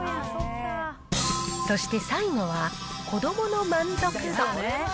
そして最後は、子どもの満足度。